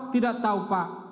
tidak tahu pak